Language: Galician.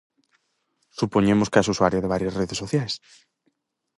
Supoñemos que es usuaria de varias redes sociais.